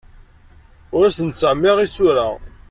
Ur asen-d-ttɛemmiṛeɣ isura.